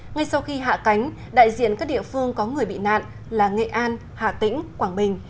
ngay sau khi hạ cánh đại diện các địa phương có người bị nạn là nghệ an hà tĩnh quảng bình